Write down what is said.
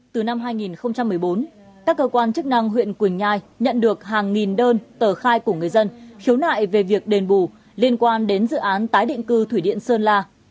từ năm hai nghìn một mươi bốn các cơ quan chức năng huyện quỳnh nhai nhận được hàng nghìn đơn tờ khai của người dân khiếu nại về việc đền bù liên quan đến dự án tái định cư thủy điện sơn la